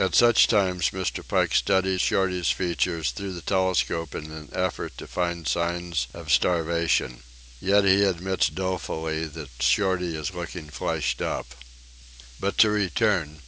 At such times Mr. Pike studies Shorty's features through the telescope in an effort to find signs of starvation. Yet he admits dolefully that Shorty is looking fleshed up. But to return.